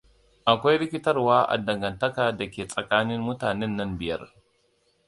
Akwai rikitarwa a dangantaka dake tsakanin mutanen nan biyar.